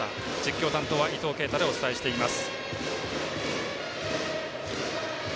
実況担当は伊藤慶太でお伝えしています。